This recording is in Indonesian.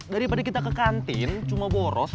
daripada kita ke kantin cuma boros